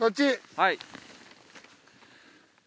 はい。